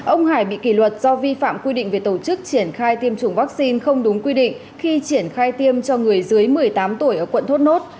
ông hải bị kỷ luật do vi phạm quy định về tổ chức triển khai tiêm chủng vaccine không đúng quy định khi triển khai tiêm cho người dưới một mươi tám tuổi ở quận thốt nốt